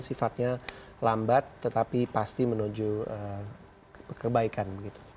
sifatnya lambat tetapi pasti menuju kebaikan